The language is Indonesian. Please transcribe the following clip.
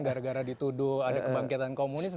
gara gara dituduh ada kebangkitan komunis